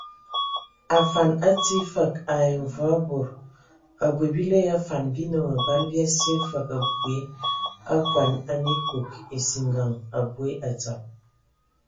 Afan atii fəg ai mvɔi bod, abui, bile ya afan bi nə məbala bia sye fəg abui akɔn anə ekug, esingan aboe adzab.